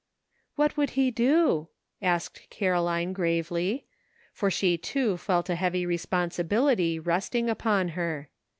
What would he do ?" asked Caroline gravely, for she too felt a heavy responsibility resting upon her.